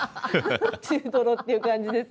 中トロっていう感じです。